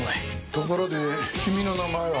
ところで君の名前は？